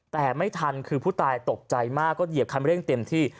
แต่ไม่ทันคือผู้ตายตกใจมากก็เหยียบคันเร่งเต็มที่